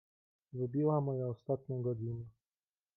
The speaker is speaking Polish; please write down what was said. "Wybiła moja ostatnia godzina."